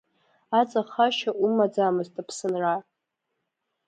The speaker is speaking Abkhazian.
Аҵахашьа умаӡамызт, Аԥсынра…